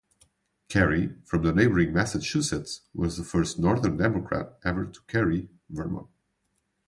Kerry, from neighboring Massachusetts, was the first Northern Democrat ever to carry Vermont.